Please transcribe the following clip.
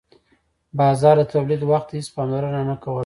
بازار د تولید وخت ته هیڅ پاملرنه نه کوله.